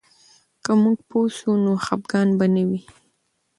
که موږ پوه سو، نو خفګان به نه وي.